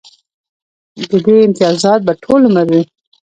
د دې امتیازات به ټول عمر وي